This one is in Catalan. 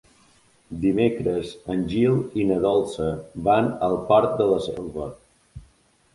Dimecres en Gil i na Dolça van al Port de la Selva.